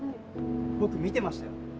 僕、見てましたよ。